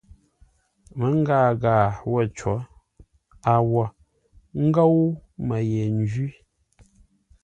Məngaa ghâa wə̂ cǒ, a wo ńgóu mə́ ye ńjwí!